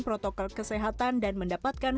protokol kesehatan dan mendapatkan